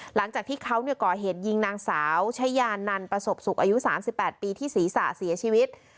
หลังจากที่เขาก่อเหตุยิงนางสาวชายานันประสบสุขอายุ๓๘ปีที่ศีรษะเสียชีวิต